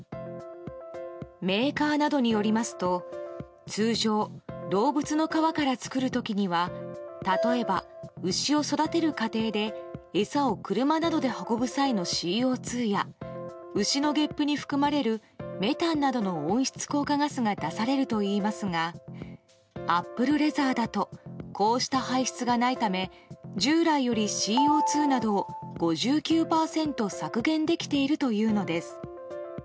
メーカーなどによりますと通常、動物の皮から作る時には例えば、牛を育てる過程で餌を車などで運ぶ際のＣＯ２や牛のげっぷに含まれるメタンなどの温室効果ガスが出されるといいますがアップルレザーだとこうした排出がないため従来よりＣＯ２などを５９％削減できているというのです。